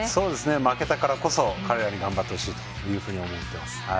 負けたからこそ彼らに頑張ってほしいと思ってます。